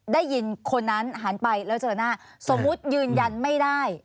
ได้ยินคนนั้นหันไปแล้วเจอหน้าสมมุติยืนยันไม่ได้